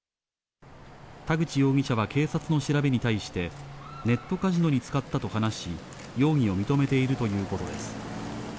田口容疑者は警察の調べに対して、ネットカジノに使ったと話し、容疑を認めているということです。